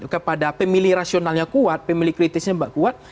kepada pemilih rasionalnya kuat pemilih kritisnya mbak kuat